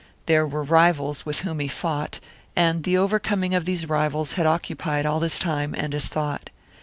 There were rivals with whom he fought; and the overcoming of these rivals had occupied all his time and his thought.